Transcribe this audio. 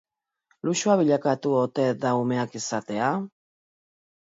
Luxua bilakatu ote da umeak izatea?